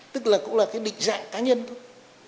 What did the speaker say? tức là cũng là cái định dạng cá nhân thôi